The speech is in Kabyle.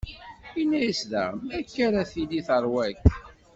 Inna-yas daɣen: Akka ara tili tarwa-k.